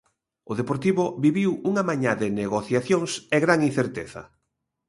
O Deportivo viviu unha mañá de negociacións e gran incerteza.